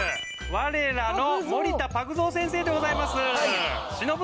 我らの森田パグゾウ先生でございます」